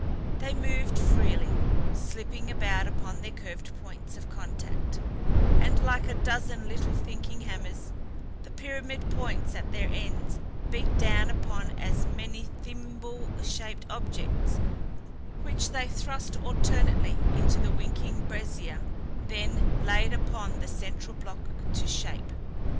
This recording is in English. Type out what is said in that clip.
They moved freely, slipping about upon their curved points of contact and like a dozen little thinking hammers, the pyramid points at their ends beat down upon as many thimble shaped objects which they thrust alternately into the unwinking brazier then laid upon the central block to shape.